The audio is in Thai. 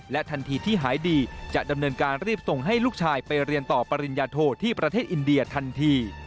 ทันทีที่หายดีจะดำเนินการรีบส่งให้ลูกชายไปเรียนต่อปริญญาโทที่ประเทศอินเดียทันที